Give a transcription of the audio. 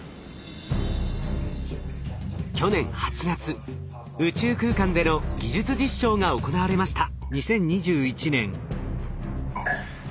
去年８月宇宙空間での技術実証が行われました。